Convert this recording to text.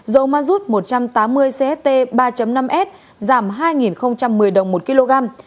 dầu mazut một trăm tám mươi cst ba năm s giảm hai một mươi đồng một kg